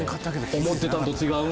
「思ってたんと違う！」